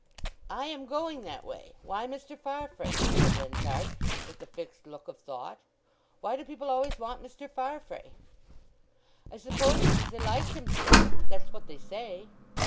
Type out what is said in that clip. "I am going that way.... Why Mr. Farfrae?" said Henchard, with the fixed look of thought. "Why do people always want Mr. Farfrae?" "I suppose because they like him so—that's what they say."